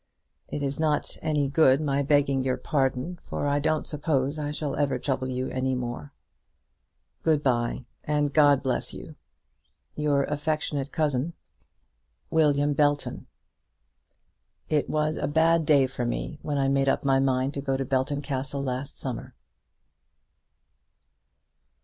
It is not any good my begging your pardon, for I don't suppose I shall ever trouble you any more. Good bye, and God bless you. Your affectionate Cousin, WILLIAM BELTON. It was a bad day for me when I made up my mind to go to Belton Castle last summer.